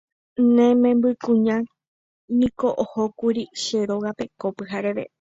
Ne membykuñániko ohókuri che rógape ko pyhareve